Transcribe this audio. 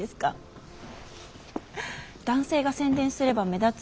男性が宣伝すれば目立つ。